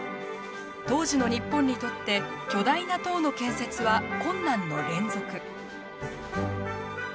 当時の日本にとって巨大な塔の建設は、困難の連続。